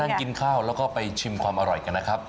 กินข้าวแล้วก็ไปชิมความอร่อยกันนะครับ